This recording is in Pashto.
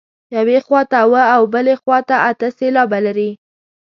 یوې خوا ته اووه او بلې ته اته سېلابه لري.